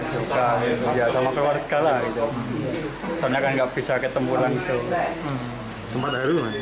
suka ya sama keluarga lah itu soalnya nggak bisa ketemu langsung sempat